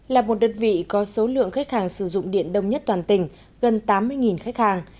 là một đơn vị có số lượng khách hàng sử dụng điện đông nhất toàn tỉnh gần tám mươi khách hàng